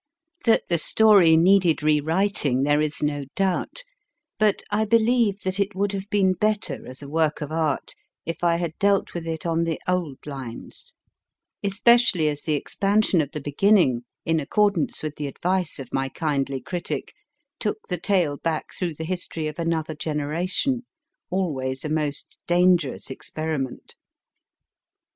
That the story needed rewriting there is no doubt, but I believe that it would have been better as a work of art if I had dealt with it on the old lines, especially as the expansion MR. RIDER HAGGARD S STUDY of the beginning, in accordance with the advice of my kindly critic, took the tale back through the history of another generation always a most dangerous experiment.